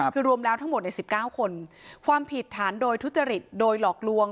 คือรวมแล้วทั้งหมดใน๑๙คนความผิดฐานโดยทุจริตโดยหลอกลวง